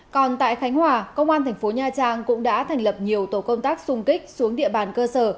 còn tại khánh hòa công an thành phố nha trang cũng đã thành lập nhiều tổ công tác xung kích xuống địa bàn cơ sở